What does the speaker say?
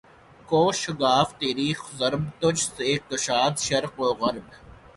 کوہ شگاف تیری ضرب تجھ سے کشاد شرق و غرب